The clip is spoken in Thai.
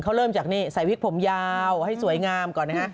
เขาเริ่มจากนี่ใส่วิกผมยาวให้สวยงามก่อนนะฮะ